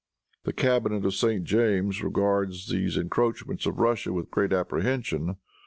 The cabinet of St. James regards these encroachments of Russia with great apprehension.